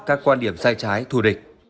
các quan điểm sai trái thù địch